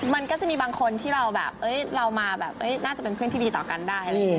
มันก็จะมีบางคนที่เราแบบเรามาแบบน่าจะเป็นเพื่อนที่ดีต่อกันได้อะไรอย่างนี้